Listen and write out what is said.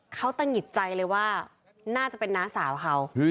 เขาตะหงิดใจเลยว่าน่าจะเป็นน้าสาวเขา